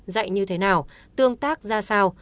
dạy như thế nào tương tác ra sao